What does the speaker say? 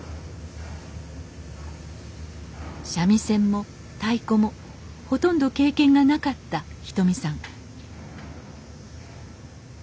三味線も太鼓もほとんど経験がなかったひとみさん